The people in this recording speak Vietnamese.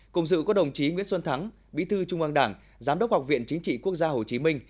cùng dự có đồng chí nguyễn xuân thắng bí thư trung an đảng giám đốc học viện chính trị quốc gia hồ chí minh